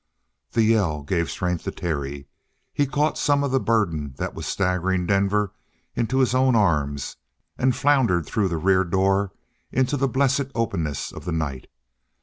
The yell gave strength to Terry. He caught some of the burden that was staggering Denver into his own arms and floundered through the rear door into the blessed openness of the night.